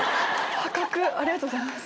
破格ありがとうございます。